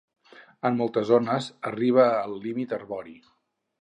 En moltes zones arriba al límit arbori.